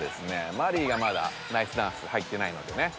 マリイがまだナイスダンス入ってないのでね